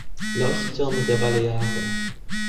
Leuchttürme der Balearen